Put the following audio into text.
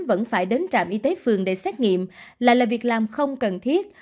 vẫn phải đến trạm y tế phường để xét nghiệm lại là việc làm không cần thiết